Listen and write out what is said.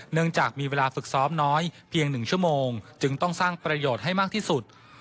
เนื่องจากมีเวลาฝึกซ้อมน้อยเพียง๑ชั่วโมงจึงต้องสร้างประโยชน์ให้มากที่สุด